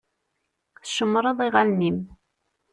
Tcemmṛeḍ iɣallen-im.